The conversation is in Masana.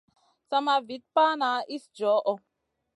Sama Vit pana iss djoho.